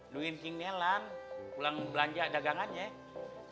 duin duinnya lam pulang belanja dagangannya ya